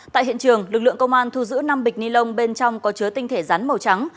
tại hiện trường lực lượng công an thu giữ năm bịch ni lông bên trong có chứa tinh thể rắn màu trắng